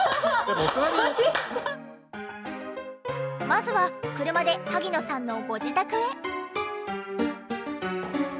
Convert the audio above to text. まずは車で萩野さんのご自宅へ。